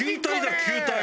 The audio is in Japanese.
球体！